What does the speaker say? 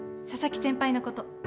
佐々木先輩のこと。